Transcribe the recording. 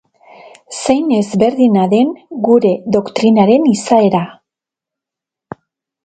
Zein ezberdina den gure doktrinaren izaera!